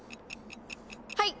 はい！